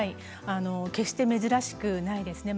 決して珍しくないですね。